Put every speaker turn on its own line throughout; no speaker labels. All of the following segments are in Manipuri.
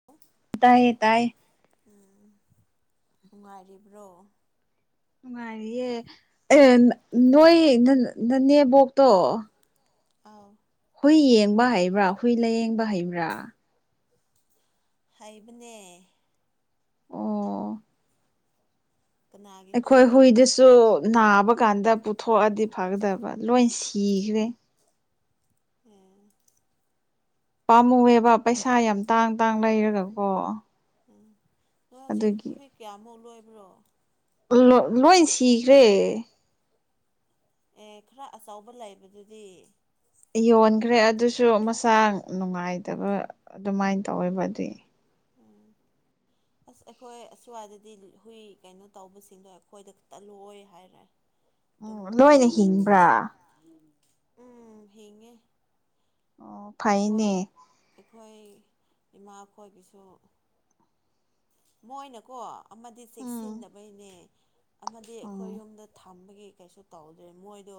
[unintelligible]
ꯇꯥꯏꯌꯦ ꯇꯥꯏ
ꯎꯝ ꯅꯨꯡꯉꯥꯏꯔꯤꯕ꯭ꯔꯣ
ꯅꯨꯡꯉꯥꯏꯔꯤꯌꯦ ꯑꯦ ꯅꯣꯏ ꯅꯅꯦꯝꯕꯣꯛꯇꯣ
ꯑꯥꯎ
ꯍꯨꯏ ꯌꯦꯡꯕ ꯍꯩꯕ꯭ꯔꯥ ꯍꯨꯏ ꯂꯥꯏꯌꯦꯡꯕ ꯍꯩꯕ꯭ꯔꯥ
ꯍꯩꯕꯅꯦ
ꯑꯣ
ꯀꯅꯥꯒꯤ ꯍꯨꯏ
ꯑꯩꯈꯣꯏ
ꯉꯝꯗꯦ
ꯍꯨꯏꯗꯨꯁꯨ ꯅꯥꯕ ꯀꯥꯟꯗ ꯄꯨꯊꯣꯛꯑꯗꯤ ꯐꯒꯗꯕ ꯂꯣꯏ ꯁꯤꯈ꯭ꯔꯦ
ꯑꯦꯝ
ꯄꯥꯝꯃꯨꯑꯦꯕ ꯄꯩꯁꯥ ꯌꯥꯝ ꯇꯥꯡ ꯇꯥꯡ ꯂꯩꯔꯒꯀꯣ
ꯎꯝ ꯑꯗꯣ ꯍꯧꯖꯤꯛ
ꯑꯗꯨꯒꯤ
ꯍꯨꯏ ꯀꯌꯥꯃꯨꯛ ꯂꯣꯏꯕ꯭ꯔꯣ
[unintelligible] ꯂꯣꯏ ꯁꯤꯈ꯭ꯔꯦ
ꯑꯦ ꯈꯔ ꯑꯆꯧꯕ ꯂꯩꯕꯗꯨꯗꯤ
ꯌꯣꯟꯈ꯭ꯔꯦ ꯑꯗꯨꯁꯨ ꯃꯁꯥ ꯅꯨꯡꯉꯥꯏꯇꯕ ꯑꯗꯨꯃꯥꯏꯅ ꯇꯧꯋꯦꯕ ꯑꯗꯨ
ꯎꯝ [unintelligible] ꯑꯁ ꯑꯩꯈꯣꯏ ꯑꯁ꯭ꯋꯥꯏꯗꯗꯤ ꯍꯨꯏ ꯀꯩꯅꯣ ꯇꯧꯕꯁꯤꯡꯗꯣ ꯑꯩꯈꯣꯏꯗ ꯇꯜꯂꯣꯏ ꯍꯥꯏꯔꯦ [unintelligible]
ꯎ ꯂꯣꯏꯅ ꯍꯤꯡꯕ꯭ꯔꯥ
ꯎꯝ ꯍꯤꯡꯉꯦ
ꯑꯣ
ꯑꯩꯈꯣꯏ
ꯐꯩꯅꯦ
ꯑꯩꯈꯣꯏ ꯏꯃꯥꯈꯣꯏꯒꯤꯁꯨ ꯃꯣꯏꯅꯀꯣ ꯑꯃꯗꯤ
ꯎꯝ
ꯆꯦꯛꯁꯤꯟꯗꯕꯩꯅꯦ ꯑꯃꯗꯤ
ꯎꯝ
ꯑꯩꯈꯣꯏ ꯌꯨꯝꯗ ꯊꯝꯕꯒꯤ ꯀꯩꯁꯨ ꯇꯧꯗ꯭ꯔꯦ ꯃꯣꯏꯗꯣ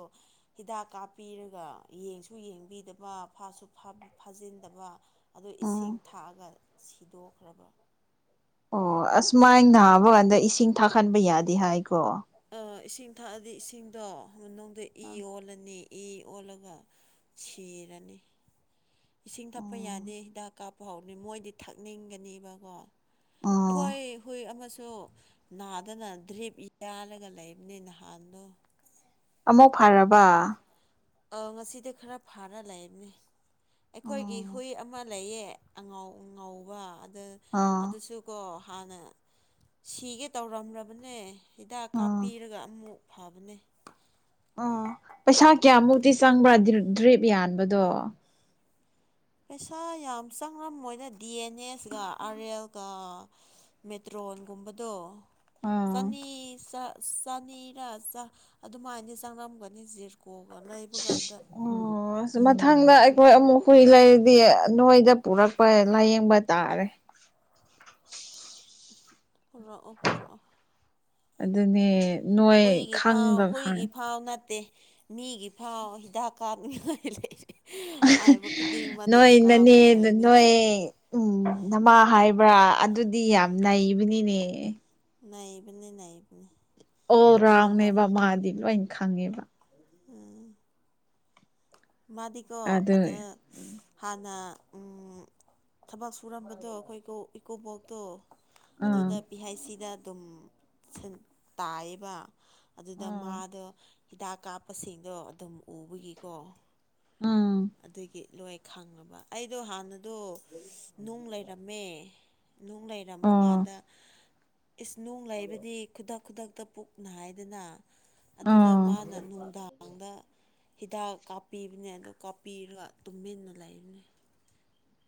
ꯍꯤꯗꯥꯛ ꯀꯥꯞꯄꯤꯔꯒ ꯌꯦꯡꯁꯨ ꯌꯦꯡꯕꯤꯗꯕ ꯐꯥꯁꯨ ꯐꯥ ꯐꯥꯖꯤꯟꯗꯕ ꯑꯗꯣ ꯏꯁꯤꯡ
ꯎꯝ
ꯊꯥꯛꯑꯒ ꯁꯤꯗꯣꯛꯈ꯭ꯔꯕ
ꯑꯣ ꯑꯁꯨꯃꯥꯏꯅ ꯅꯕ ꯀꯥꯟꯗ ꯏꯁꯤꯡ ꯊꯛꯍꯟꯕ ꯌꯥꯗꯦ ꯍꯥꯏꯀꯣ
ꯑꯥ ꯏꯁꯤꯡ ꯊꯛꯑꯗꯤ ꯏꯁꯤꯡꯗꯣ ꯃꯅꯨꯡꯗ ꯏ ꯑꯣꯜꯂꯅꯤ ꯏ ꯑꯣꯜꯂꯒ ꯁꯤꯔꯅꯤ ꯏꯁꯤꯡ ꯊꯛꯄ
ꯎꯝ
ꯌꯥꯗꯦ ꯍꯤꯗꯥꯛ ꯀꯥꯞꯄꯍꯥꯎꯅꯤ ꯃꯣꯏꯗꯤ ꯊꯛꯅꯤꯡꯒꯅꯤꯕꯀꯣ
ꯎꯝ
ꯍꯣꯏ ꯍꯨꯏ ꯑꯃꯁꯨ ꯅꯥꯗꯅ ꯗ꯭ꯔꯤꯞ ꯌꯥꯜꯂꯒ ꯂꯩꯕꯅꯦ ꯅꯍꯥꯟꯗꯣ
ꯑꯃꯨꯛ ꯐꯔꯕ
ꯑꯣ ꯉꯁꯤꯗꯤ ꯈꯔ ꯐꯥꯔ ꯂꯩꯕꯅꯤ ꯑꯩꯈꯣꯏꯒꯤ
ꯎꯝ
ꯍꯨꯏ ꯑꯃ ꯂꯩꯌꯦ ꯑꯉꯥꯎ ꯐꯉꯧꯕ ꯑꯗ
ꯑꯥ
ꯑꯗꯨꯁꯨ ꯀꯣ ꯍꯥꯟꯅ ꯁꯤꯒꯦ ꯇꯧꯔꯝꯔꯕꯅꯦ ꯍꯤꯗꯥꯛ
ꯑꯥ
ꯀꯥꯞꯄꯤꯔꯒ ꯑꯃꯨꯛ ꯐꯕꯅꯦ
ꯑꯣ ꯄꯩꯁꯥ ꯀꯌꯥꯃꯨꯛꯇꯤ ꯆꯪꯕ꯭ꯔꯥ ꯗ꯭ꯔꯤꯞ ꯗ꯭ꯔꯤꯞ ꯌꯥꯟꯕꯗꯣ
ꯄꯩꯁꯥ ꯌꯥꯝ ꯆꯪꯉꯝꯃꯣꯏꯗꯥ ꯗꯤ ꯑꯦꯟ ꯑꯦꯁ ꯀ ꯑꯥꯔ ꯑꯦꯜꯒ ꯃꯦꯇ꯭ꯔꯣꯟꯒꯨꯝꯕꯗꯣ
ꯑꯥ
ꯆꯅꯤ ꯆ ꯆꯅꯤꯔꯥ ꯆꯥ ꯑꯗꯨꯃꯥꯏꯟꯗꯤ ꯆꯪꯉꯝꯒꯅꯤ ꯖꯦꯜ ꯀꯣꯒ ꯂꯩꯕ ꯀꯥꯟꯗ
ꯑꯣ ꯑ ꯃꯊꯪꯗ ꯑꯩꯈꯣꯏ ꯑꯃꯨꯛ ꯍꯨꯏ ꯂꯩꯔꯗꯤ ꯅꯣꯏꯗ ꯄꯨꯔꯛꯄ ꯂꯥꯏꯌꯦꯡꯕ ꯇꯥꯔꯦ
ꯄꯨꯔꯛꯑꯣ ꯄꯨꯔꯛꯑꯣ
ꯑꯗꯨꯅꯦ ꯅꯣꯏ
ꯍꯨꯏꯒꯤ ꯐꯥꯎ
ꯈꯪꯕ ꯈꯪ
ꯍꯨꯏꯒꯤ ꯐꯥꯎ ꯅꯠꯇꯦ ꯃꯤꯒꯤ ꯐꯥꯎ ꯍꯤꯗꯥꯛ ꯀꯥꯞꯅꯤꯡꯉꯥꯏ ꯂꯩꯔꯦ ꯍꯥꯏꯕ ꯈꯨꯗꯤꯡꯃꯛ ꯑꯗꯨꯝ
ꯅꯣꯏ
ꯀꯥꯞꯄꯒ
ꯅꯅꯦꯅ
ꯂꯩꯕꯅꯤ
ꯅꯣꯏ ꯎꯝ ꯅꯃꯥ ꯍꯥꯏꯕ꯭ꯔꯥ ꯑꯗꯨꯗꯤ ꯌꯥꯝ ꯅꯩꯕꯅꯤꯅꯦ
ꯅꯩꯕꯅꯦ ꯅꯩꯕꯅꯦ
ꯑꯣꯜ ꯔꯥꯎꯟꯅꯦꯕ ꯃꯥꯗꯤ ꯂꯣꯏꯟ ꯈꯪꯉꯦꯕ
ꯎꯝ ꯃꯥꯗꯤꯀꯣ
ꯑꯗꯨ
ꯑꯗ ꯍꯥꯟꯅ ꯎꯝ ꯊꯕꯛ ꯁꯨꯔꯝꯕꯗꯣ ꯑꯩꯈꯣꯏ ꯀꯣ ꯏꯀꯨꯕꯣꯛꯇꯣ
ꯑꯥ
ꯑꯗꯨꯗ ꯄꯤ ꯍꯥꯏꯁ ꯁꯤꯗ ꯑꯗꯨꯝ ꯁꯤꯟ ꯇꯥꯏꯌꯦꯕ ꯑꯗꯨꯗ
ꯑꯥ
ꯃꯥꯗꯣ ꯍꯤꯗꯥꯛ ꯀꯥꯞꯄꯁꯤꯡꯗꯣ ꯑꯗꯨꯝ ꯎꯕꯒꯤꯀꯣ
ꯎꯝ
ꯑꯗꯨꯒꯤ ꯂꯣꯏ ꯈꯪꯉꯕ ꯑꯩꯗꯣ ꯍꯥꯟꯅꯗꯣ ꯅꯨꯡ ꯂꯩꯔꯝꯃꯦ ꯅꯨꯡ ꯂꯩꯔꯝꯕ
ꯑꯣ
ꯀꯥꯟꯗ ꯏꯁ ꯅꯨꯡ ꯂꯩꯕꯗꯤ ꯈꯨꯗꯛ ꯈꯨꯗꯛꯇ ꯄꯨꯛ ꯅꯥꯏꯗꯅꯥ ꯑꯗꯨꯗ
ꯑꯣ
ꯃꯥꯅ ꯅꯨꯡꯗꯥꯡ ꯗꯥꯡꯗ ꯍꯤꯗꯥꯛ ꯀꯥꯞꯄꯤꯕꯅꯦ ꯑꯗꯨ ꯀꯥꯞꯄꯤꯔꯒ ꯇꯨꯝꯃꯤꯟꯅ ꯂꯩꯕꯅꯦ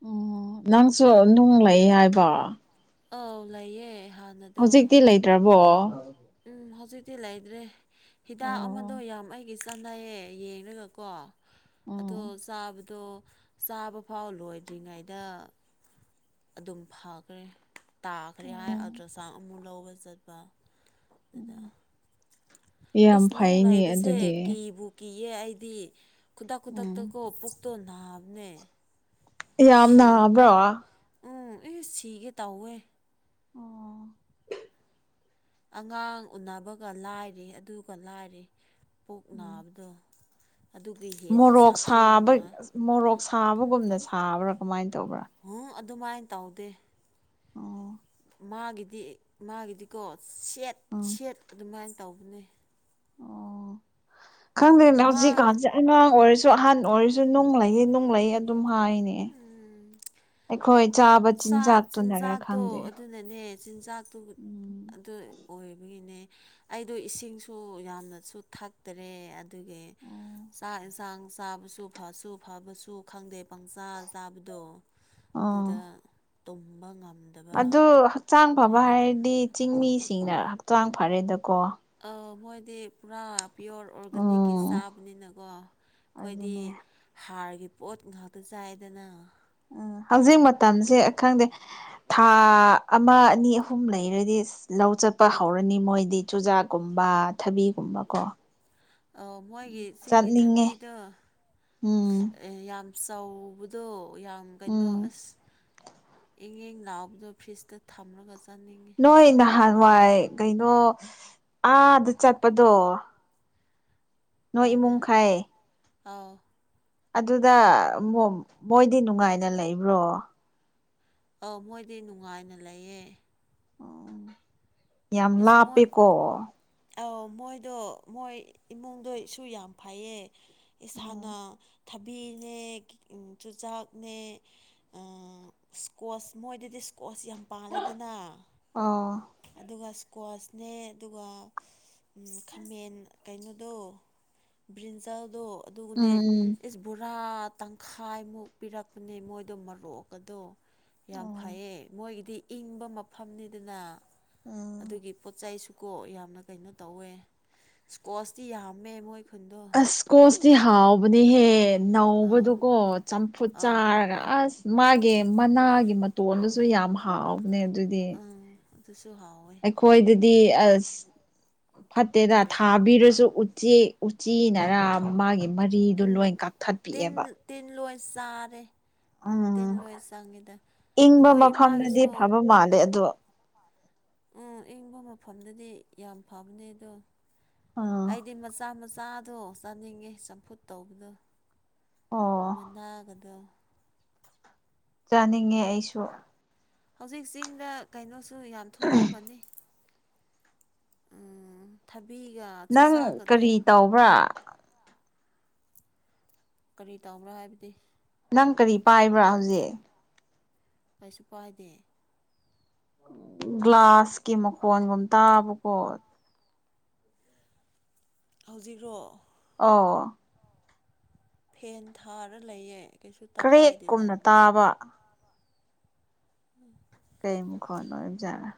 ꯎꯝ ꯅꯪꯁꯨ ꯅꯨꯡ ꯂꯩ ꯍꯥꯏꯕ
ꯑꯧ ꯂꯩꯌꯦ ꯍꯥꯟꯅꯗꯤ
ꯍꯧꯖꯤꯛꯇꯤ ꯂꯩꯇ꯭ꯔꯕꯣ
ꯎꯝ ꯍꯧꯖꯤꯛꯇꯤ ꯂꯩꯇ꯭ꯔꯦ ꯍꯤꯗꯥꯛ
ꯑꯣ
ꯑꯃꯗꯣ ꯌꯥꯝ ꯑꯩꯒꯤꯁ ꯆꯥꯟꯅꯩꯌꯦ ꯌꯦꯡꯉꯒꯀꯣ ꯑꯗꯣ
ꯎꯝ
ꯆꯥꯕ ꯗꯣ ꯆꯥꯕ ꯐꯥꯎ ꯂꯣꯏꯗ꯭ꯔꯤꯉꯩꯗ ꯑꯗꯨꯝ ꯐꯒ꯭ꯔꯦ ꯇꯥꯈ꯭ꯔꯦ ꯍꯥꯏ
ꯎꯝ
ꯑꯜꯇ꯭ꯔ ꯁꯥꯎꯟ ꯑꯃꯨꯛ ꯂꯧꯕ ꯆꯠꯄ ꯑꯗꯨꯗ
ꯌꯥꯝ
ꯏꯁ ꯅꯨꯡ
ꯐꯩꯅꯦ
ꯂꯩꯥꯕꯁꯦ
ꯑꯗꯨꯗꯤ
ꯀꯤꯕꯨ ꯀꯤꯌꯦ ꯑꯩꯗꯤ ꯈꯨꯗꯛ
ꯎꯝ
ꯈꯨꯗꯛꯇꯀꯣ ꯄꯨꯛꯇꯣ ꯅꯥꯕꯅꯦ
ꯌꯥꯝ
ꯁꯤ
ꯅꯥꯕ꯭ꯔꯣ
ꯎꯝ ꯏꯁ ꯁꯤꯒꯦ ꯇꯧꯋꯦ
ꯑꯣ
ꯑꯉꯥꯡ ꯎꯅꯕꯒ ꯂꯥꯏꯔꯤ ꯑꯗꯨꯒ ꯂꯥꯏꯔꯤ ꯄꯨꯛ
ꯎꯝ
ꯅꯥꯕꯗꯣ ꯑꯗꯨꯒꯤ ꯍꯦꯟꯅ
ꯃꯣꯔꯣꯛ ꯁꯥꯕ
ꯁꯥꯊꯤꯅꯅ
ꯃꯣꯔꯣꯛ ꯁꯥꯕꯒꯨꯝꯅ ꯁꯥꯕ꯭ꯔꯥ ꯀꯃꯥꯏꯟ ꯇꯧꯕ꯭ꯔꯥ
ꯍꯝ ꯑꯗꯨꯃꯥꯏꯟ ꯇꯧꯗꯦ
ꯑꯣ
ꯃꯥꯒꯤꯗꯤ ꯃꯥꯒꯤꯗꯤꯀꯣ ꯁꯦꯠ
ꯎꯝ
ꯁꯦꯠ ꯑꯗꯨꯃꯥꯏꯟ ꯇꯧꯕꯅꯦ
ꯑꯣ ꯈꯪꯗꯦꯅꯦ
ꯃꯥ
ꯍꯧꯖꯤꯛꯀꯥꯟꯁꯦ ꯑꯉꯥꯡ ꯑꯣꯏꯔꯁꯨ ꯑꯍꯟ ꯑꯣꯏꯔꯁꯨ ꯅꯨꯡ ꯂꯩꯌꯦ ꯅꯨꯡ ꯂꯩꯌꯦ ꯑꯗꯨꯝ ꯍꯥꯏꯅꯦ
ꯎꯝ
ꯑꯩꯈꯣꯏ ꯆꯥꯕ
ꯆꯥꯛ
ꯆꯤꯟꯖꯥꯛꯇꯨꯅꯔ
ꯆꯤꯟꯖꯥꯛꯇꯣ
ꯈꯪꯗꯦ
ꯑꯗꯨꯅꯅꯦ ꯆꯤꯟꯖꯥꯛꯇꯨ
ꯎꯝ
ꯑꯗꯨ ꯑꯣꯏꯕꯒꯤꯅꯦ ꯑꯩꯗꯨ ꯏꯁꯤꯡꯁꯨ ꯌꯥꯝꯅꯁꯨ ꯊꯛꯇ꯭ꯔꯦ ꯑꯗꯨꯒꯒꯤ
ꯑꯣ
ꯆꯥꯛ ꯌꯦꯟꯁꯥꯡ ꯆꯥꯕꯁꯨ ꯐꯁꯨ ꯐꯕꯁꯨ ꯈꯪꯗꯦ ꯄꯪꯆꯥꯥ ꯆꯥꯕꯗꯣ
ꯑꯣ
ꯑꯗꯨꯗ ꯇꯨꯝꯕ ꯉꯝ
ꯑꯗꯨ ꯍꯛꯆꯥꯡ ꯐꯕ ꯍꯥꯏꯔꯗꯤ ꯆꯤꯡꯃꯤꯁꯤꯡꯅ ꯍꯛꯆꯥꯡ ꯐꯥꯔꯦꯗꯀꯣ
ꯑꯥ ꯃꯣꯏꯗꯤ ꯄꯨꯔꯥ ꯄꯤꯌꯣꯔ ꯑꯣꯔꯒꯥꯅꯤꯛꯀꯤ
ꯎꯝ
ꯆꯥꯕꯅꯤꯅꯀꯣ ꯑꯈꯣꯏꯗꯤ
ꯑꯗꯨꯅꯦ
ꯍꯥꯔꯒꯤ ꯄꯣꯠ ꯉꯥꯛꯇ ꯆꯥꯏꯌꯦꯅ
ꯑꯥ ꯍꯧꯖꯤꯛ ꯃꯇꯝꯁꯦ ꯈꯪꯗꯦ ꯊꯥ ꯑꯃꯥ ꯑꯅꯤ ꯑꯍꯨꯝ ꯂꯩꯔꯗꯤ ꯂꯧ ꯆꯠꯄ ꯍꯧꯔꯅꯤ ꯃꯣꯏꯗꯤ ꯆꯨꯖꯥꯛꯀꯨꯝꯕ ꯊꯕꯤꯒꯨꯝꯕ ꯀꯣ
ꯑꯥ ꯃꯣꯏꯒꯤ ꯆꯤꯡꯒꯤ ꯊꯥꯕꯤꯗꯣ
ꯎꯝ
ꯌꯥꯝ ꯆꯥꯎꯕ ꯑꯗꯨ ꯌꯥꯝ ꯀꯩꯅꯣ
ꯎꯝ
ꯑꯁ ꯏꯪ ꯏꯪ ꯂꯥꯛꯕꯗꯨ ꯐ꯭ꯔꯤꯖꯇ ꯊꯝꯂꯒ ꯆꯥꯅꯤꯡꯉꯤ
ꯍꯣꯏ ꯅꯍꯥꯟꯋꯥꯏ ꯀꯩꯅꯣ ꯑꯥꯗ ꯆꯠꯄꯗꯣ ꯅꯣꯏ
ꯍꯣꯏꯗ
ꯏꯃꯨꯡꯈꯩ
ꯑꯧ
ꯑꯗꯨꯗ ꯃꯣꯏꯗꯤ ꯅꯨꯡꯉꯥꯏꯅ ꯂꯩꯕ꯭ꯔꯣ
ꯑꯧ ꯃꯣꯏꯗꯤ ꯅꯨꯡꯉꯥꯏꯅ ꯂꯩꯌꯦ
ꯎꯝ ꯌꯥꯝ
ꯏꯁꯃꯨꯠ
ꯂꯥꯞꯄꯦꯀꯣ
ꯑꯧ ꯃꯣꯏꯗꯣ ꯃꯣꯏ ꯏꯃꯨꯡꯗꯣ ꯏꯁꯨ ꯌꯥꯝ ꯐꯩꯌꯦ ꯏꯁꯥꯅ
ꯎꯝ
ꯊꯕꯤꯅꯦ ꯀꯤ ꯑꯝ ꯆꯨꯖꯥꯛꯅꯦ ꯑꯥ ꯏꯁꯀꯣꯁ ꯃꯣꯏꯗꯗꯤ ꯏꯁꯀꯣꯁ ꯌꯥꯝ ꯄꯥꯂꯦꯗꯅ
ꯑꯥ
ꯑꯗꯨꯒ ꯏꯁ꯭ꯀ꯭ꯋꯥꯁꯅꯦ ꯑꯗꯨꯒ ꯑꯝ ꯈꯥꯃꯦꯟ ꯀꯩꯅꯣꯗꯣ ꯕ꯭ꯔꯤꯟꯖꯥꯜꯗꯣ ꯑꯗꯨꯒꯅꯦ
ꯎꯝ
ꯏꯁ ꯄꯨꯔꯥ ꯇꯪꯈꯥꯏꯃꯨꯛ ꯄꯤꯔꯛꯄꯅꯦ ꯃꯣꯏꯗꯣ ꯃꯔꯣꯛꯀꯗꯣ ꯌꯥꯝ
ꯎꯝ
ꯐꯩꯌꯦ ꯃꯣꯏꯒꯤꯗꯤ ꯏꯪꯕ ꯃꯐꯝꯅꯤꯗꯅ
ꯎꯝ
ꯑꯗꯨꯒꯤ ꯄꯣꯠ ꯆꯩꯁꯨꯀꯣ ꯌꯥꯝꯅ ꯀꯩꯅꯣ ꯇꯧꯋꯦ ꯏꯁ꯭ꯀ꯭ꯣꯁꯇꯤ ꯌꯥꯝꯃꯦ ꯃꯣꯏ ꯈꯨꯟꯗꯣ
ꯏꯁꯀꯣꯁꯇꯤ ꯍꯥꯎꯕꯅꯦꯍꯦ
ꯑꯥ
ꯅꯧꯕꯗꯨꯀꯣ ꯆꯝꯐꯨꯠ
ꯑꯥ
ꯆꯥꯔꯒ ꯑꯁ ꯃꯥꯒꯤ ꯃꯅꯥꯒꯤ ꯃꯇꯣꯟꯗꯨꯁꯨ ꯌꯥꯝ ꯍꯥꯎꯕꯅꯦ ꯑꯗꯨꯗꯤ
ꯑꯥ ꯑꯗꯨꯁꯨ ꯍꯥꯎꯋꯦ
ꯑꯈꯣꯏꯗꯗꯤ ꯑꯁ ꯐꯠꯇꯦꯗ ꯊꯥꯕꯤꯔꯁꯨ ꯎꯆꯦꯛ ꯎꯆꯤꯅꯔꯥ ꯃꯥꯒꯤ ꯃꯔꯤꯗꯨ
ꯎꯝ
ꯂꯣꯏ
ꯇꯤꯟ
ꯀꯛꯊꯠꯄꯤꯑꯦꯕ
ꯇꯤꯟ ꯂꯣꯏ ꯆꯥꯔꯦ ꯎꯝ ꯇꯤꯟ ꯂꯣꯏ ꯆꯪꯉꯤꯗ ꯑꯈꯣꯏ ꯏꯃꯥꯒꯤꯁꯨ
ꯎꯝ ꯃꯥꯜꯂꯦ ꯑꯗꯣ
ꯑꯥ ꯏꯪꯕ ꯃꯐꯝꯗꯗꯤ ꯌꯥꯝ ꯐꯕꯅꯦ ꯑꯗꯣ
ꯑꯥ
ꯑꯩꯗꯤ ꯃꯆꯥ ꯃꯥ ꯆꯥꯗꯣ ꯆꯥꯅꯤꯡꯉꯦ ꯆꯝꯐꯨꯠ ꯇꯧꯕꯗꯨ
ꯑꯣ
ꯃꯅꯥꯒꯗꯣ
ꯆꯥꯅꯤꯡꯉꯦ ꯑꯩꯁꯨ
ꯍꯧꯖꯤꯛ ꯆꯤꯡꯗ ꯀꯩꯅꯣꯁꯨ ꯌꯥꯝ ꯊꯣꯛꯂꯝꯃꯅꯤ ꯎꯝ ꯊꯕꯤꯒ ꯆꯨꯖꯥꯛꯀꯗꯣ
ꯇꯥꯎꯕ꯭ꯔꯥ
ꯀꯔꯤ ꯇꯥꯎꯕ꯭ꯔꯥ ꯍꯥꯏꯕꯗꯤ
ꯅꯪ ꯀꯔꯤ ꯄꯥꯏꯕ꯭ꯔꯥ ꯍꯧꯖꯤꯛ
ꯀꯩꯁꯨ ꯄꯥꯏꯗꯦ
ꯒ꯭ꯂꯥꯁꯀꯤ ꯃꯈꯣꯟꯒꯨꯝ ꯇꯥꯕꯀꯣ
ꯍꯧꯖꯤꯛꯔꯣ
ꯑꯧ
ꯐꯦꯟ ꯊꯥꯔ ꯂꯩꯌꯦ ꯀꯩꯁꯨ ꯇꯄꯥꯏꯗꯦꯅ
ꯀ꯭ꯔꯦꯛꯀꯨꯝꯅ ꯇꯥꯕ ꯀꯩ ꯃꯈꯣꯟ ꯑꯣꯏꯕ ꯖꯥꯠꯔꯥ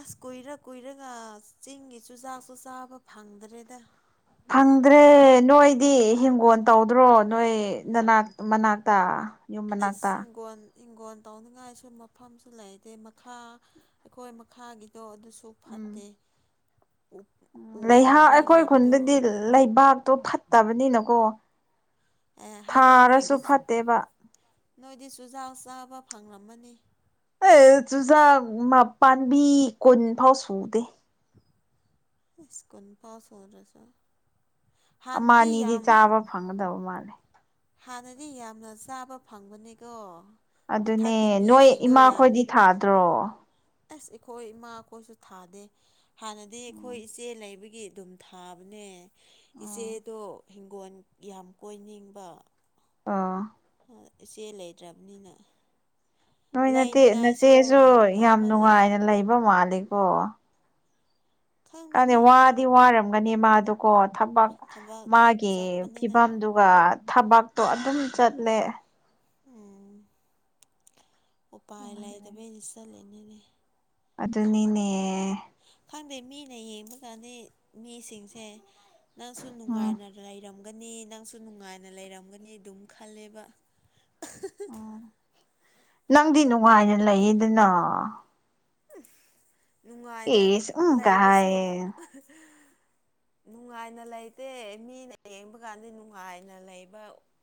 ꯑꯁ ꯀꯨꯏꯔ ꯀꯨꯏꯔꯒ ꯆꯤꯡꯒꯤ ꯆꯨꯖꯥꯛꯁꯨ ꯆꯥꯕ ꯐꯪꯗ꯭ꯔꯦꯗ
ꯐꯪꯗ꯭ꯔꯦ ꯅꯣꯏꯗꯤ ꯍꯤꯡꯒꯣꯟ ꯇꯧꯗ꯭ꯔꯣ ꯅꯣꯏ ꯅꯅꯥꯛ ꯃꯅꯥꯛꯇ ꯌꯨꯝ
ꯑꯁ
ꯃꯅꯥꯛꯇ
ꯍꯤꯡꯒꯣꯟ ꯍꯤꯡꯒꯣꯟ ꯇꯧꯅꯤꯡꯉꯥꯏꯁꯨ ꯃꯐꯝꯁꯨ ꯂꯩꯗꯦ ꯃꯈꯥ ꯑꯈꯣꯏ ꯃꯈꯥꯒꯤꯗꯣ ꯑꯗꯨꯁꯨ ꯐꯠꯇꯦ ꯎ
ꯑ‌ꯣ
ꯎ
ꯂꯩꯍꯥ
ꯄꯥꯝꯕꯤ
ꯑꯈꯣꯏ
ꯂꯩꯕꯗꯣ
ꯈꯨꯟꯗꯗꯤ ꯂꯩꯕꯥꯛꯇꯣ ꯐꯠꯇꯕꯅꯤꯅꯀꯣ
ꯑꯦ ꯍꯥꯏꯔ
ꯊꯥꯔꯁꯨ
ꯅꯣꯏꯒꯤ
ꯐꯠꯇꯦꯕ
ꯅꯣꯏꯗꯤ ꯆꯨꯖꯥꯛ ꯆꯥꯕ ꯐꯪꯂꯝꯃꯅꯤ
ꯑꯦ ꯆꯨꯖꯥꯛ ꯃꯄꯥꯟꯕꯤ ꯀꯨꯟ ꯐꯥꯎ ꯁꯨꯗꯦ
ꯏꯁ ꯀꯨꯟ ꯐꯥꯎ ꯁꯨꯗ꯭ꯔꯁꯨ
ꯑꯃ
ꯍꯟꯅꯗꯤ
ꯑꯅꯤꯗꯤ
ꯌꯥꯝ
ꯆꯥꯕ ꯐꯪꯒꯗꯕ ꯃꯥꯜꯂꯦ
[unintelligible] ꯍꯥꯟꯅꯗꯤ ꯌꯥꯝꯅ ꯆꯥꯕ ꯐꯪꯕꯅꯦꯀꯣ
ꯑꯗꯨꯅꯦ ꯅꯣꯏ ꯏꯃꯥꯈꯣꯏꯗꯤ ꯊꯥꯗ꯭ꯔꯣ
ꯑꯁ ꯑꯈꯣꯏ ꯏꯃꯥꯈꯣꯏꯁꯨ ꯊꯥꯗꯦ ꯍꯥꯟꯅꯗꯤ ꯑꯈꯣꯏ
ꯎꯝ
ꯏꯆꯦ ꯂꯩꯕꯒꯤ ꯗꯨꯝ ꯊꯥꯕꯅꯦ
ꯎꯝ
ꯏꯆꯦꯗꯣ ꯍꯤꯡꯒꯣꯟ ꯌꯥꯝ ꯀꯣꯏꯅꯤꯡꯕ
ꯑꯥ
ꯑꯥ ꯏꯆꯦ ꯂꯩꯇ꯭ꯔꯕꯅꯤꯅ
ꯅꯣꯏ ꯅꯠꯇꯦ
ꯂꯩꯅꯤꯡꯉꯥꯏꯁꯨ
ꯅꯆꯦꯁꯨ ꯌꯥꯝ
ꯇꯥꯡꯃꯜꯂꯦ
ꯅꯨꯡꯉꯥꯏꯅ ꯂꯩꯕ ꯃꯥꯂꯤꯀꯣ ꯈꯪꯗꯦ
ꯈꯪꯗꯦꯗ
ꯋꯥꯗꯤ ꯋꯥꯔꯝꯒꯅꯤ ꯃꯥꯗꯨꯀꯣ ꯊꯕꯛ
ꯊꯕꯛ
ꯃꯥꯒꯤ
ꯆꯠꯄꯅꯤꯅ
ꯐꯤꯕꯝꯗꯨ ꯋꯥ ꯊꯕꯛꯇꯣ ꯑꯗꯨꯝ ꯆꯠꯂꯦ
ꯎꯝ ꯎꯄꯥꯏ ꯂꯩꯇꯕꯩ ꯆꯠꯂꯤꯅꯤꯅꯦ
ꯑꯗꯨꯅꯤꯅꯦ
ꯈꯪꯗꯦ ꯃꯤꯅ ꯌꯦꯡꯕ ꯀꯥꯟꯗꯤ ꯃꯤꯁꯤꯡꯁꯦ ꯅꯪꯁꯨ
ꯎꯝ
ꯅꯨꯡꯉꯥꯏꯅ ꯂꯩꯔꯝꯒꯅꯤ ꯅꯪꯁꯨ ꯅꯨꯡꯉꯥꯏꯅ ꯂꯩꯔꯝꯒꯅꯤ ꯑꯗꯨꯝ ꯈꯜꯂꯦꯕ [unintelligible]
ꯅꯪꯗꯤ ꯅꯨꯡꯉꯥꯏꯅ ꯂꯩꯌꯤꯗꯅ
ꯅꯨꯡꯉꯥꯏꯅ
ꯑꯦꯁ ꯎꯝ ꯀ
ꯂꯩꯔꯁꯨ
ꯍꯥꯏꯌꯦ
ꯅꯨꯡꯉꯥꯏꯅ ꯂꯩꯇꯦ ꯃꯤꯅ ꯌꯦꯡꯕ ꯀꯥꯟꯗꯤ ꯅꯨꯡꯉꯥꯏꯅ ꯂꯩꯕ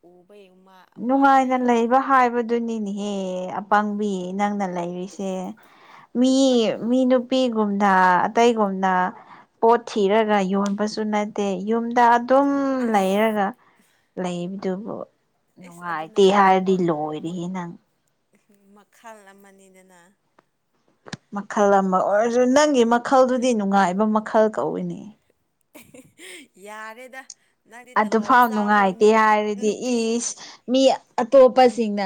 ꯎꯕꯩ ꯑꯃꯥ
ꯅꯨꯡꯉꯥꯏꯅ ꯂꯩꯕ ꯍꯥꯏꯕꯗꯨꯅꯤꯅꯦꯍꯦ ꯑꯄꯪꯕꯤ ꯅꯪꯅ ꯂꯩꯔꯤꯁꯦ ꯃꯤ ꯃꯤ ꯅꯨꯄꯤꯒꯨꯝꯅ ꯑꯇꯩꯒꯨꯝꯅ ꯄꯣꯠ ꯊꯤꯔꯒ ꯌꯣꯟꯕꯁꯨ ꯅꯠ ꯇ‌ꯦ ꯌꯨꯝꯗ ꯑꯗꯨꯝ
ꯑꯁ
ꯂꯩꯔꯒ ꯂꯩꯕꯗꯨꯕꯨ
ꯑꯦꯁ ꯑꯗꯨꯅ
ꯅꯨꯡꯉꯥꯏꯇꯦ
ꯃꯛ
ꯍꯥꯏꯔꯗꯤ
ꯋꯛ [unintelligible] ꯃꯛ
ꯂꯣꯏꯔꯦꯍꯦ ꯅꯪ
ꯃꯈꯥꯜ ꯑꯃꯅꯤꯗꯅ
ꯃꯈꯜ ꯑꯃ ꯑꯣꯏꯔꯁꯨ ꯅꯪꯒꯤ ꯃꯈꯜꯗꯨꯗꯤ ꯅꯨꯡꯉꯥꯏꯕ ꯃꯈꯜ ꯀꯧꯏꯅꯦ
ꯌꯥꯔꯦꯗꯥ
ꯑꯗꯨꯐꯥꯎ ꯅꯨꯡꯉꯥꯏꯇꯦ ꯍꯥꯏꯔꯗꯤ
ꯅꯨꯄꯤ
ꯏꯁ ꯃꯤ ꯑꯇꯣꯞꯄꯁꯤꯡꯅ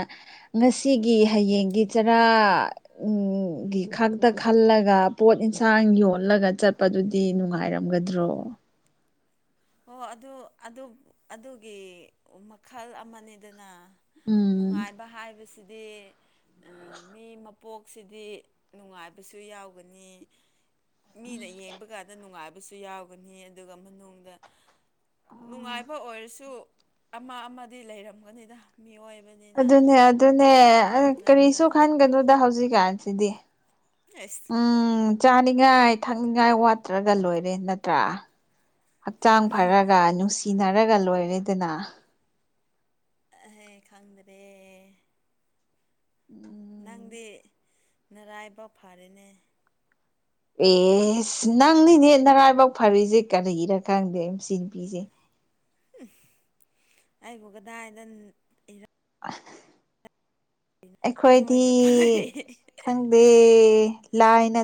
ꯉꯁꯤꯒꯤ ꯍꯌꯦꯡꯒꯤ ꯆꯔꯥ ꯎ ꯒꯤ ꯈꯛꯇ ꯈꯜꯂꯒ ꯄꯣꯠ ꯏꯟꯁꯥꯡ ꯌꯣꯜꯂꯒ ꯆꯠ ꯆꯠꯄꯗꯨꯗꯤ ꯅꯨꯡꯉꯥꯏꯔꯝꯒꯗ꯭ꯔꯣ
ꯍꯣ ꯑꯗꯨ ꯑꯗꯨ ꯑꯗꯨꯒꯤ ꯃꯈꯜ ꯑꯃꯅꯤꯗꯅ
ꯎꯝ
ꯅꯨꯡꯉꯥꯏꯕ ꯍꯥꯏꯕꯁꯤꯗꯤ ꯑ ꯃꯤ ꯃꯄꯣꯛꯁꯤꯗꯤ ꯅꯨꯡꯉꯥꯏꯕꯁꯨ ꯌꯥꯎꯒꯅꯤ ꯃꯤꯅ ꯌꯦꯡꯕ ꯀꯥꯟꯗ ꯅꯨꯡꯉꯥꯏꯕꯁꯨ ꯌꯥꯎꯒꯅꯤ ꯑꯗꯨꯒ ꯃꯅꯨꯡꯗ ꯅꯨꯡꯉꯥꯏꯕ ꯑꯣꯏꯔꯁꯨ ꯑꯃ ꯑꯃꯗꯤ ꯂꯩꯔꯝꯒꯅꯤꯗ ꯃꯤꯑꯣꯏꯕ
ꯑꯗꯨꯅꯦ ꯑꯗꯨꯅꯦ ꯑ
ꯅꯠꯇ꯭ꯔꯥ
ꯀꯔꯤꯁꯨ ꯈꯟꯒꯅꯣꯗ ꯍꯧꯖꯤꯛꯀꯥꯟꯁꯤꯗꯤ
ꯑꯁ
ꯎꯝ ꯆꯥꯅꯤꯡꯉꯥꯏ ꯊꯛꯅꯤꯡꯉꯥꯏ ꯋꯥꯠꯇ꯭ꯔꯒ ꯂꯣꯏꯔꯦ ꯅꯠꯇ꯭ꯔꯥ ꯍꯛꯆꯥꯡ ꯐꯔꯒ ꯅꯨꯡꯁꯤꯅꯔꯒ ꯂꯣꯏꯔꯦꯗꯅ
ꯑꯍꯦ ꯈꯪꯗ꯭ꯔꯦ
[unintelligible]
ꯅꯪꯗꯤ ꯅꯔꯥꯏꯕꯛ ꯐꯔꯦꯅꯦ
ꯑꯦꯁ ꯅꯪꯅꯤꯅꯦ ꯅꯔꯥꯏꯕꯛ ꯐꯔꯤꯁꯦ ꯀꯔꯤꯒꯤꯔꯥ ꯈꯪꯗꯦ ꯃꯥꯁꯤ ꯅꯨꯄꯤꯁꯦ
ꯑꯩꯕꯨ ꯀꯗꯥꯏꯗ
ꯑꯩꯈꯣꯏꯗꯤ
ꯅꯣꯏꯅ ꯐꯔꯦ
ꯈꯪꯗꯦ ꯂꯥꯏꯅ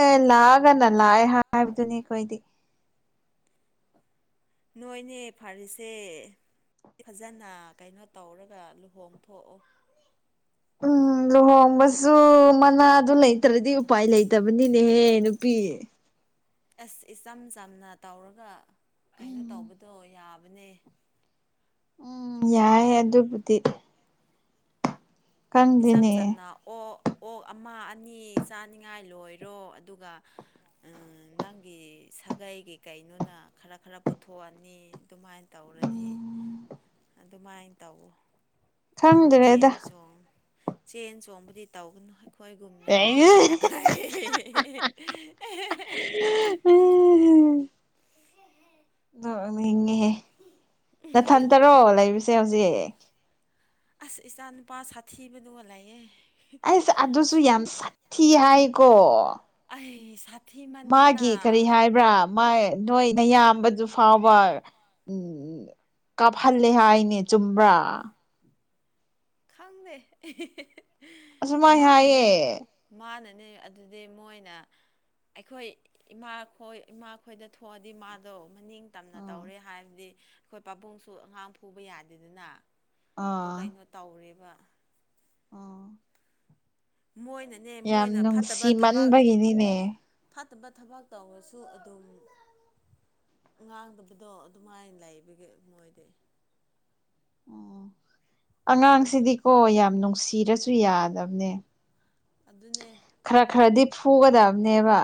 ꯑꯦ ꯂꯥꯛꯑꯒꯅ ꯂꯥꯛ ꯍꯥꯏꯕꯗꯨꯅꯤ ꯑꯩꯈꯣꯏꯗꯤ
ꯅꯣꯏꯅꯦ ꯐꯔꯤꯁꯦ ꯐꯖꯅ ꯀꯩꯅꯣ ꯇꯧꯔꯒ ꯂꯨꯍꯣꯡꯊꫭꯛꯑꯣ
ꯎꯝ ꯂꯨꯍꯣꯡꯕꯁꯨ ꯃꯅꯥ ꯑꯗꯨ ꯂꯩꯇ꯭ꯔꯗꯤ ꯎꯄꯥꯏ ꯂꯩ ꯇꯕꯅꯤꯅꯦꯍꯦ ꯅꯨꯄꯤ
ꯑꯁ ꯏꯆꯝ ꯆꯝꯅ ꯇꯧꯔꯒ ꯀꯩꯅꯣ
ꯎꯝ
ꯇꯧꯕꯗꯣ ꯌꯥꯕꯅꯦ
ꯎꯝ ꯌꯥꯏ ꯑꯗꯨꯕꯨꯗꯤ
ꯏꯆꯝ
ꯈꯪꯗꯦꯅꯦ
ꯆꯝꯅ ꯑꯣ ꯑꯣꯛ ꯑꯃ ꯑꯅꯤ ꯆꯥꯅꯤꯉꯥꯏ ꯂꯣꯏꯔꯣ ꯑꯗꯨꯒ ꯎꯝ ꯅꯪꯒꯤ ꯁꯥꯒꯩꯒꯤ ꯀꯩꯅꯣꯅ ꯈꯔ ꯈꯔ ꯄꯨꯊꯣꯛꯑꯅꯤ ꯑꯗꯨꯃꯥꯏꯅ ꯇꯧꯔꯅꯤ ꯑꯗꯨꯃꯥꯏꯅ ꯇꯧꯋꫭ ꯆꯦꯟ
ꯈꯪꯗ꯭ꯔꯦꯗ
ꯆꯣꯡ ꯆꯦꯟ ꯆꯣꯡꯕꯗꯤ ꯇꯧꯒꯅꯨ ꯑꯩꯈꯣꯏꯒꯨꯝꯅ ꯍꯥꯏꯅ ꯑꯩ
ꯅꫭꯛꯅꯤꯡꯉꯤꯍꯦ ꯅꯊꯟ ꯇꯔꯣ ꯂꯩꯕꯁꯦ ꯍꯧꯖꯤꯛ
ꯑꯁ ꯏꯆꯥ ꯅꯨꯄꯥ ꯁꯥꯊꯤꯕꯗꯨꯒ ꯂꯩꯑꯦ
ꯑꯩꯁ ꯑꯗꯨꯁꯨ ꯌꯥꯝ ꯁꯥꯊꯤ ꯍꯥꯏꯀꯣ
ꯑꯩ ꯁꯥꯊꯤꯃꯟꯗꯅ
꯭ꯔ ꯃꯥꯏ ꯅꯣꯏ ꯅꯌꯥꯝꯕꯗꯨ ꯐꯥꯎꯕ ꯎ ꯀꯥꯞꯍꯜꯂꯦ ꯍꯥꯏꯅꯦ ꯆꯨꯝꯕ꯭ꯔꯥ
ꯈꯪꯗꯦ
ꯑꯁꯨꯃꯥꯏ ꯍꯥꯏꯌꯦ
ꯃꯥꯅꯅꯦ ꯃꯥꯅꯅꯤ ꯑꯗꯨꯗꯤ ꯃꯣꯏꯅ ꯑꯩꯈꯣꯏ ꯏꯃꯥꯈꯣꯏ ꯏꯃꯥꯈꯣꯏꯗ ꯍꯣꯑꯗꯤ ꯃꯥꯗꯣ ꯃꯅꯤꯡ ꯇꯝꯅ
ꯑꯥ
ꯇꯧꯔꯦ ꯍꯥꯏꯕꯗꯤ ꯑꯩꯈꯣꯏ ꯄꯥꯕꯨꯡꯁꯨ ꯑꯉꯥꯡ ꯐꯨꯕ ꯌꯥꯗꯦꯗꯅ ꯑꯗꯨ
ꯑꯥ
ꯀꯩꯅꯣ ꯇꯧꯔꯦꯕ
ꯑꯥ
ꯃꯣꯏꯅꯅꯦ
ꯌꯥꯝ
ꯃꯣꯏꯅ ꯐꯠꯇꯕ ꯊꯕꯛ
ꯅꯨꯡꯁꯤꯃꯟꯕꯒꯤꯅꯤꯅꯦ
ꯐꯥꯠꯇꯕ ꯊꯕꯛ ꯇꯧꯔꯁꯨ ꯑꯗꯨꯝ ꯉꯥꯡꯗꯕꯗꯣ ꯑꯗꯨꯃꯥꯏꯅ ꯂꯩꯕꯒꯤ ꯃꯣꯏꯗꯤ
ꯑꯣ ꯑꯉꯥꯡꯁꯤꯗꯤꯀꯣ ꯌꯥꯝ ꯅꯨꯡꯁꯤꯔꯁꯨ ꯌꯥꯗꯕꯅꯦ
ꯑꯗꯨꯅꯦ
ꯈꯔ ꯈꯔꯗꯤ ꯐꯨꯒꯗꯕꯅꯦꯕ